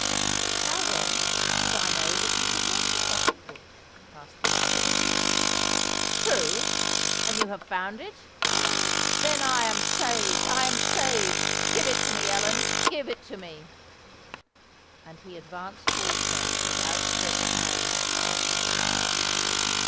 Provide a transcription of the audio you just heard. "How, then, should I know that you had lost a pocket book?" asked the young lady. "True! And you have found it? Oh! then I am saved—I am saved! Give it to me, Ellen—give it to me!" And he advanced towards her, with out stretched hands.